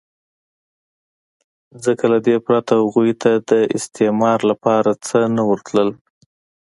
ځکه له دې پرته هغوی ته د استثمار لپاره څه نه ورتلل